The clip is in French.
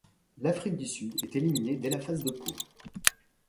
L'Afrique du Sud est éliminé dès la phase de poule.